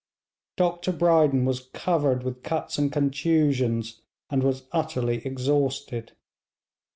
Dr Brydon was covered with cuts and contusions, and was utterly exhausted.